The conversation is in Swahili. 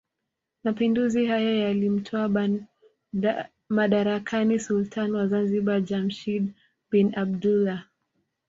Mapinduzi hayo yaliyomtoa madarakani sultani wa Zanzibar Jamshid bin Abdullah